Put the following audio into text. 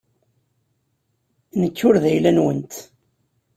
Nekk ur d ayla-nwent.